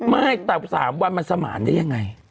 เม้ตามสามวันมันสม่านได้ยังไง